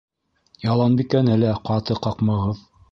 Яланбикәне лә ҡаты ҡаҡмағыҙ.